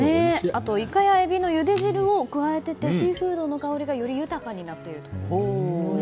あと、イカやエビのゆで汁を加えているのでシーフードの香りがより豊かになっていると。